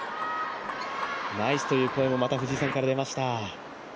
ナイスという声もまた藤井さんから出ました。